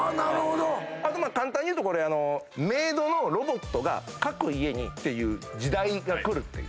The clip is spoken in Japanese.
あと簡単に言うとこれメイドのロボットが各家にっていう時代が来るっていう。